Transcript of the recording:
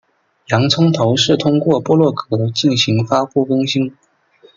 洋葱头是通过部落格进行发布更新。